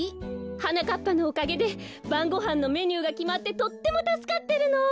はなかっぱのおかげでばんごはんのメニューがきまってとってもたすかってるの。